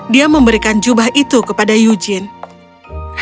dia memberikan jubah itu kepada eugene